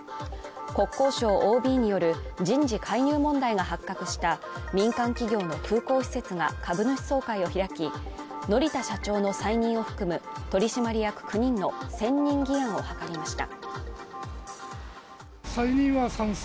国交省ＯＢによる人事介入問題が発覚した民間企業の空港施設が株主総会を開き、乗田社長の再任を含む取締役９人の選任議案を図りました。